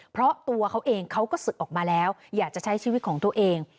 เพราะตัวเขาเองเขาก็ศึกออกมาแล้วอยากจะใช้ชีวิตของตัวเอง